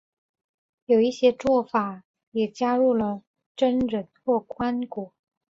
有一些做法也加入榛仁或干果。